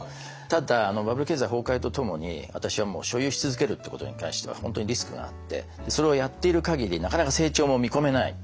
ただバブル経済崩壊とともに私は所有し続けるってことに関しては本当にリスクがあってそれをやっている限りなかなか成長も見込めない。